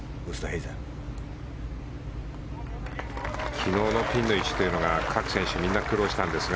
昨日のピンの位置っていうのが各選手、みんな苦労したんですが